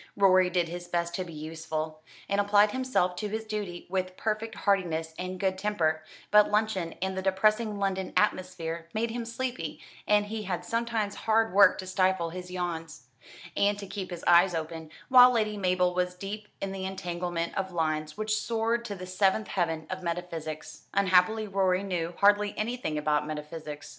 Rorie did his best to be useful, and applied himself to his duty with perfect heartiness and good temper; but luncheon and the depressing London atmosphere made him sleepy, and he had sometimes hard work to stifle his yawns, and to keep his eyes open, while Lady Mabel was deep in the entanglement of lines which soared to the seventh heaven of metaphysics. Unhappily Rorie knew hardly anything about metaphysics.